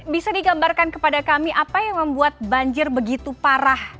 bisa digambarkan kepada kami apa yang membuat banjir begitu parah